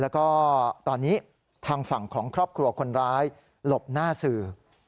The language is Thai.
แล้วก็ตอนนี้ทางฝั่งของครอบครัวคนร้ายหลบหน้าสื่อ